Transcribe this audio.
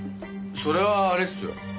それはあれっすよ。